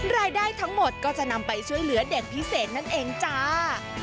รายได้ทั้งหมดก็จะนำไปช่วยเหลือเด็กพิเศษนั่นเองจ้า